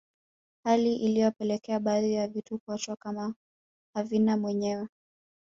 Hali iliyopelekea baadhi ya vitu kuachwa kama havina mwenyewe